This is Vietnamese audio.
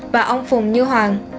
và ông phùng như hoàng